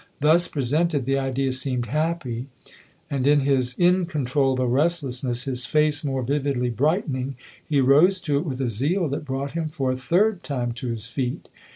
Thus pre sented, the idea seemed happy, and, in his incon trollable restlessness, his face more vividly bright ening, he rose to it with a zeal that brought him for a third time to his feet.